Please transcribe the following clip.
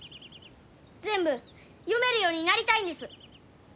全部読めるようになりたいんです。